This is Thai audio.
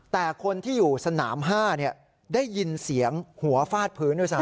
แต่คนที่อยู่สนาม๕ได้ยินเสียงหัวฟาดพื้นด้วยซ้ำ